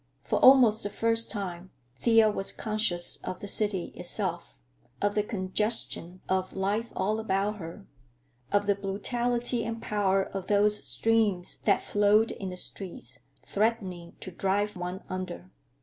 For almost the first time Thea was conscious of the city itself, of the congestion of life all about her, of the brutality and power of those streams that flowed in the streets, threatening to drive one under.